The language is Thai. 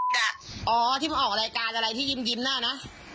อจนอมเอ่อที่ออกรายการอะไรที่ยิ้มยิ้มหน้าน่ะ